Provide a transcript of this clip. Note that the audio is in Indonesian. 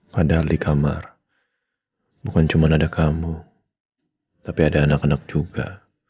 padahal di kamar bukan cuma ada kamu tapi ada anak anak juga